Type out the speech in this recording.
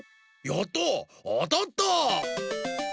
やったあたった！